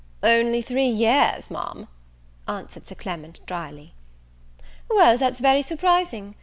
"Only three years, Ma'am," answered Sir Clement, drily. "Well, that's very surprising!